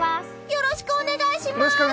よろしくお願いします！